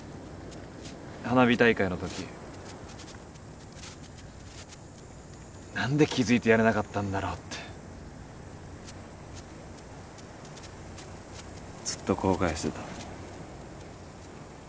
花火大会のとき何で気付いてやれなかったんだろうってずっと後悔してた。